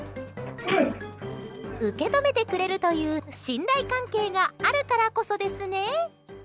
受け止めてくれるという信頼関係があるからこそですね。